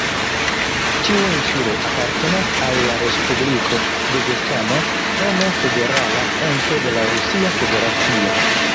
Tiu insulo apartenas al la Respubliko Dagestano, nome federala ento de la Rusia Federacio.